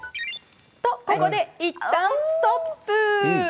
とここでいったんストップ！